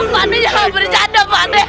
pak deh jangan bercanda pak deh